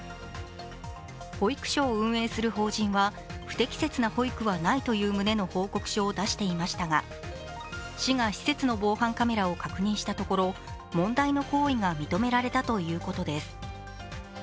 保育所を運営する法人は不適切な保育はないという旨の報告書を出していましたが市が施設の防犯カメラを確認したところ問題の行為が認められたということです。